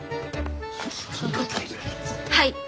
はい！